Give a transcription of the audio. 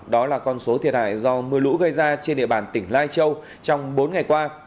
đó là con số thiệt hại do mưa lũ gây ra trên địa bàn tỉnh lai châu trong bốn ngày qua